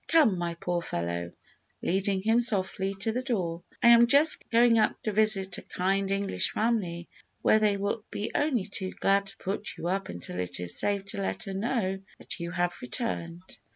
Come, my poor fellow," (leading him softly to the door), "I am just going up to visit a kind English family, where they will be only too glad to put you up until it is safe to let her know that you have returned."